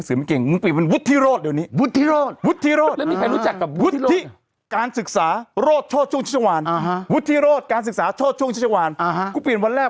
จริงผมพูดที่รอดไปเลยสำไม่มีจริงกลับมากันใช้ดีกว่าเออ